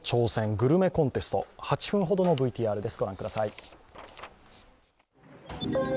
グルメコンテスト８分ほどのＶＴＲです。